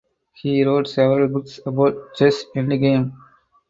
He wrote several books about chess endgame.